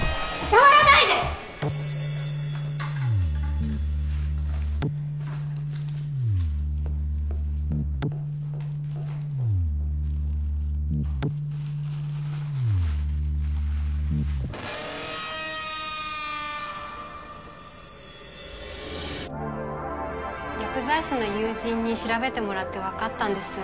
現在薬剤師の友人に調べてもらってわかったんです。